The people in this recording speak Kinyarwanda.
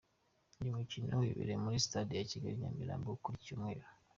Uyu mukino wabereye kuri sitade ya Kigali i Nyamirambo kuri iki cyumweru.